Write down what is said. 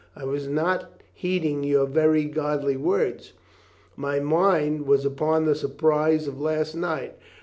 I was not heeding your very godly words. My mind was upon the surprise of last night."